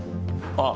あっ！